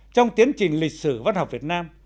trong tiến trình lịch sử văn học việt nam